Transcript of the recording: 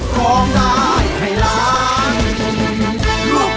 ร้องได้ให้ล้าน